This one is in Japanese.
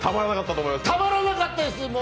たまらなかったです。